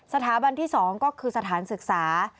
สถาบันที่๒ก็คือสถานศึกษา